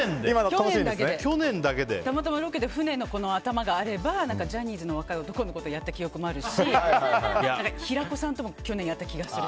たまたまロケで船の頭があればジャニーズの若い男の子とやった記憶もあるし平子さんとも去年、やった気がする。